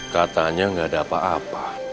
katanya nggak ada apa apa